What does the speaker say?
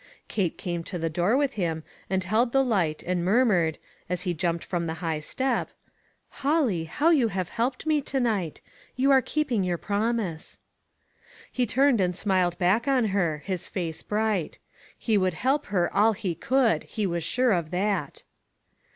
Kate came to the door with him, and held the light, and murmured, as he jumped from the high step :" Holly, how you have helped me to night ! You are keeping your promise." He turned and smiled back on her, his face bright. He would help her all he could — he was sure of that.